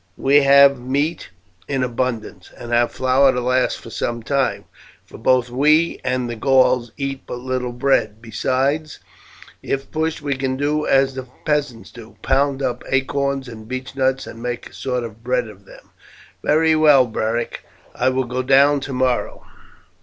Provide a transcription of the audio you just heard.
We have meat in abundance, and have flour to last for some time, for both we and the Gauls eat but little bread; besides, if pushed, we can do as the peasants do, pound up acorns and beechnuts and make a sort of bread of them." "Very well, Beric, I will go down tomorrow."